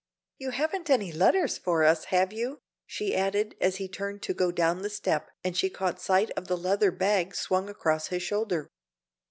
"You haven't any letters for us, have you?" she added, as he turned to go down the step and she caught sight of the leather bag swung across his shoulder.